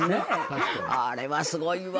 あれはすごいわ。